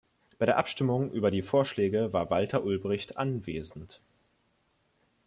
Bei der Abstimmung über die Vorschläge war Walter Ulbricht anwesend.